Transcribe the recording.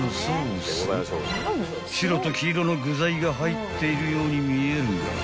［白と黄色の具材が入っているように見えるが］